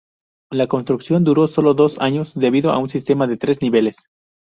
La construcción duró solo dos años debido a un sistema de tres niveles.